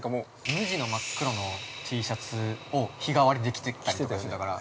◆無地の真っ黒のＴシャツを日替わりで着てたりとかしてたから。